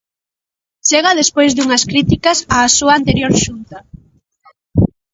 Chega despois dunhas críticas á súa anterior xunta.